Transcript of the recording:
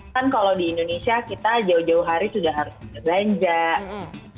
kan kalau di indonesia kita jauh jauh hari sudah harus berbelanja